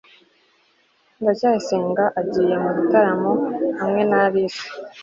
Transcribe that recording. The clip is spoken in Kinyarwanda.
ndacyayisenga agiye mu gitaramo hamwe na alice